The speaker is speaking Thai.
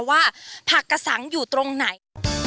ว่าผักกระสังอยู่ตรงไหน